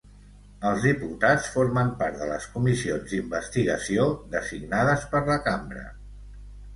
Els diputats formen part de les Comissions d'Investigació designades per la Cambra.